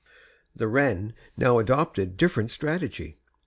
The wren now adopted different strategy.